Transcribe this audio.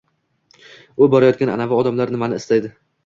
U borayotgan anavi odamlar nimani istaydi?